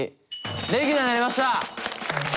レギュラーになりました！